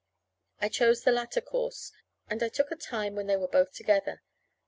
I chose the latter course, and I took a time when they were both together.